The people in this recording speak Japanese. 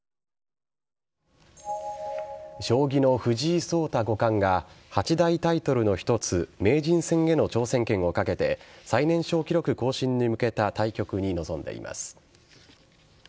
将棋の藤井聡太五冠が八大タイトルの一つ名人戦への挑戦権をかけて最年少記録更新に向けた対局に臨んでいます。